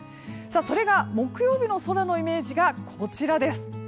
それが木曜日の空のイメージがこちらです。